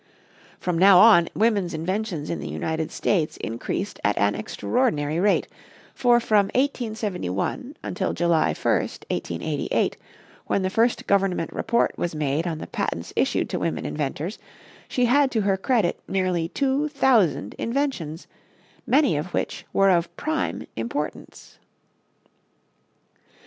From now on women's inventions in the United States increased at an extraordinary rate, for from 1871 until July 1, 1888, when the first government report was made on the patents issued to women inventors, she had to her credit nearly two thousand inventions, many of which were of prime importance.